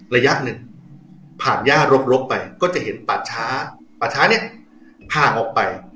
ระยะหนึ่งผ่านย่ารบไปก็จะเห็นป่าช้าป่าช้าเนี่ยห่างออกไป